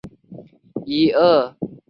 所有双七角锥都是十四面体。